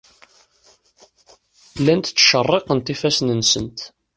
Llant ttcerriqent ifassen-nsent.